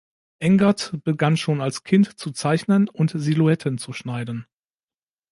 Engert begann schon als Kind zu zeichnen und Silhouetten zu schneiden.